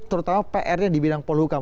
terutama pr nya di bidang pol hukam